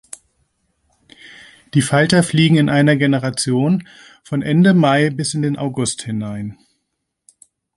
Die Falter fliegen in einer Generation von Ende Mai bis in den August hinein.